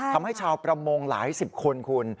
ทำให้ชาวประมงหลายสิบคนคุณ